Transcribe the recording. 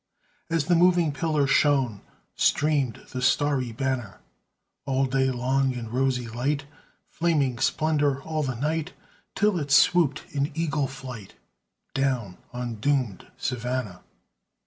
As the moving pillar shone, Streamed the starry banner All day long in rosy light, Flaming splendor all the night, Till it swooped in eagle flight Down on doomed Savannah!